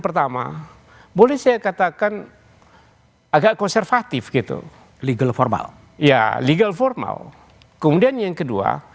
pertama boleh saya katakan agak konservatif gitu legal formal ya legal formal kemudian yang kedua